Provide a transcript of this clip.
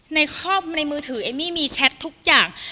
ในมือถือเอมมี่มีแชททุกอย่าง